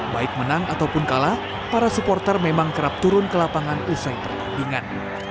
baik menang ataupun kalah para supporter memang kerap turun ke lapangan usai pertandingan